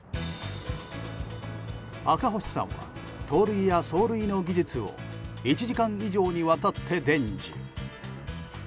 赤星さんは盗塁や走塁の技術を１時間以上にわたって伝授。